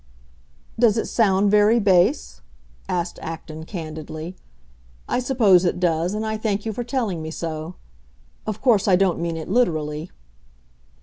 "Does it sound very base?" asked Acton, candidly. "I suppose it does, and I thank you for telling me so. Of course, I don't mean it literally."